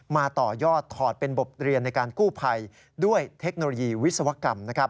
ต่อยอดถอดเป็นบทเรียนในการกู้ภัยด้วยเทคโนโลยีวิศวกรรมนะครับ